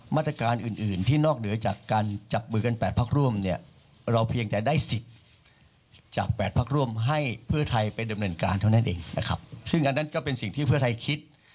เป็นดำเนินการเท่านั้นเองนะครับซึ่งอันนั้นก็เป็นสิ่งที่เพื่อไทยคิด